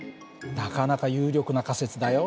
なかなか有力な仮説だよ。